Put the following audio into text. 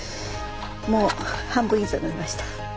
もう半分以上飲みました。